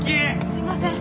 すいません！